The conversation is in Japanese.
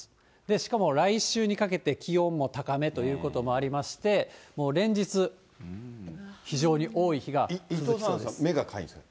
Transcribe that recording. しかも来週にかけて、気温も高めということもありまして、もう連日、伊藤さん、目がかゆいんですか？